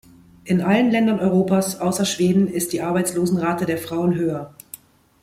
In allen Ländern Europas außer Schweden ist die Arbeitslosenrate der Frauen höher.